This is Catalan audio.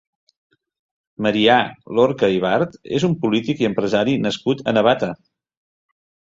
Marià Lorca i Bard és un polític i empresari nascut a Navata.